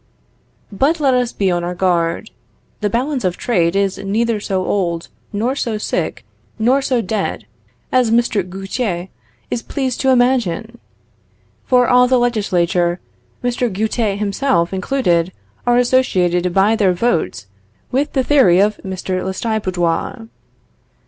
But let us be on our guard. The balance of trade is neither so old, nor so sick, nor so dead, as Mr. Gauthier is pleased to imagine; for all the legislature, Mr. Gauthier himself included, are associated by their votes with the theory of Mr. Lestiboudois.